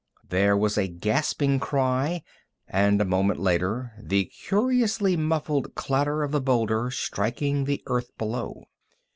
There was a gasping cry, and a moment later the curiously muffled clatter of the boulder striking the earth below.